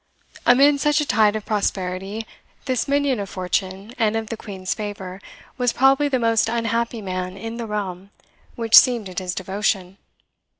Amid such a tide of prosperity, this minion of fortune and of the Queen's favour was probably the most unhappy man in the realm which seemed at his devotion.